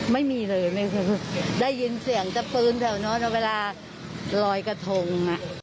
ไม่มีเลยได้ยินเสียงปืนแถวนั้นเวลาลอยกระทง